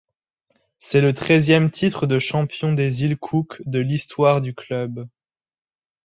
C'est le treizième titre de champion des îles Cook de l’histoire du club.